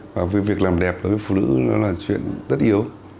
và việc làm đẹp đối với phụ nữ đó là chuyện rất yếu